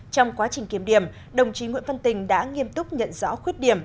trong quá trình kiểm điểm đồng chí nguyễn văn tình đã nghiêm túc nhận rõ khuyết điểm